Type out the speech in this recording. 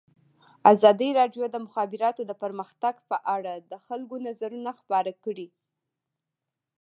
ازادي راډیو د د مخابراتو پرمختګ په اړه د خلکو نظرونه خپاره کړي.